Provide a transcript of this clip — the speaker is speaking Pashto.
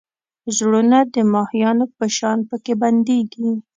زړونه د ماهیانو په شان پکې بندېږي.